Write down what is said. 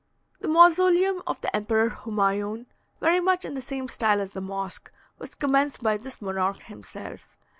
The mausoleum of the Emperor Humaione, very much in the same style as the mosque, was commenced by this monarch himself.